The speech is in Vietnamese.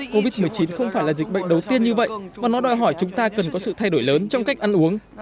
covid một mươi chín không phải là dịch bệnh đầu tiên như vậy mà nó đòi hỏi chúng ta cần có sự thay đổi lớn trong cách ăn uống